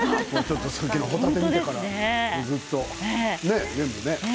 さっきのホタテ見てからずっと全部ね。